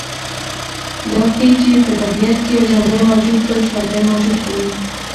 دا ښیي چې په طبیعت کې یو ژوندی موجود بل ژوندی موجود خوري